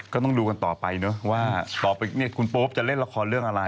ก็ต้องดูกันต่อไปเนอะว่าต่อไปเนี่ยคุณโป๊ปจะเล่นละครเรื่องอะไร